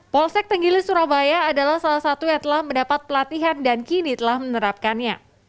polsek tenggilis surabaya adalah salah satu yang telah mendapat pelatihan dan kini telah menerapkannya